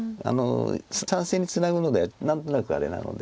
３線にツナぐのでは何となくあれなので。